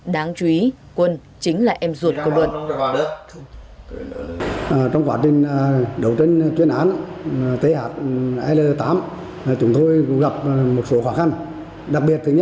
đáng chú ý quân chính là em ruột của luận